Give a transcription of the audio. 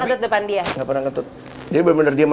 udah satu aja lah ini aku